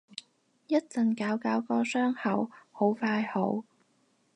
一陣搞搞個傷口，好快好